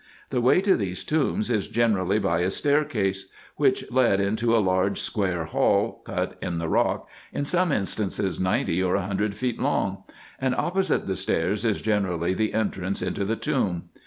The way to these tombs is gene rally by a staircase, winch led into a large square hall, cut in the rock, in some instances ninety or a hundred feet long ; and opposite the stairs is generally the entrance into the tomb.